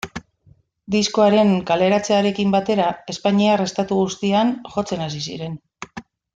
Disko haren kaleratzearekin batera, Espainiar estatu guztian jotzen hasi ziren.